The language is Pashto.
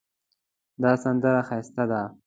دا سندره ښایسته ده